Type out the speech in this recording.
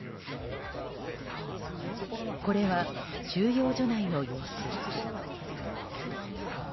これは、収容所内の様子。